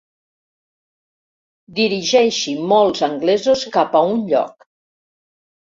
Dirigeixi molts anglesos cap a un lloc.